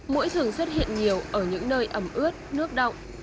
mũi thường xuất hiện nhiều ở những nơi ẩm ướt nước động